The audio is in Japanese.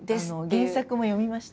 原作も読みました。